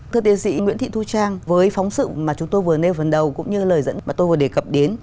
thưa tiến sĩ nguyễn thị thu trang với phóng sự mà chúng tôi vừa nêu phần đầu cũng như lời dẫn mà tôi vừa đề cập đến